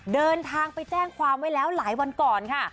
เดินทางไปแจ้งความไว้แล้วหลายวันก่อนค่ะ